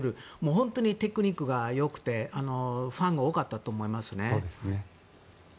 本当にテクニックがよくてファンが多かったと思います。